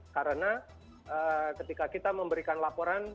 karena ketika kita memberikan laporan